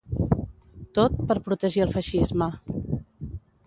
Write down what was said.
Tot, per protegir el feixisme.